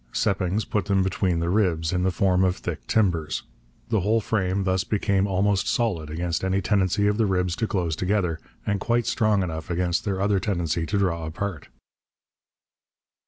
Seppings put them between the ribs, in the form of thick timbers. The whole frame thus became almost solid against any tendency of the ribs to close together, and quite strong enough against their other tendency to draw apart.